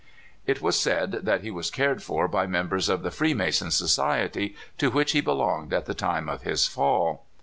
It was said that he was cared for by members of the Freemason society, to which he belonged at the time of his fall.